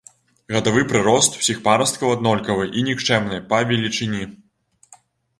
Гадавы прырост ўсіх парасткаў аднолькавы і нікчэмны па велічыні.